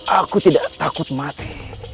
aku tidak takut mati